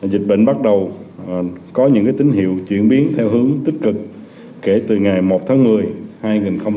dịch bệnh bắt đầu có những tín hiệu chuyển biến theo hướng tích cực kể từ ngày một tháng một mươi hai nghìn hai mươi ba